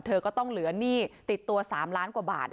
เธอก็ต้องเหลือหนี้ติดตัว๓ล้านกว่าบาท